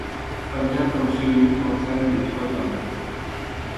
Fabien Campioni entraine les trois gardiens.